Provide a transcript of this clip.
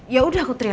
ya udah aku teriak ya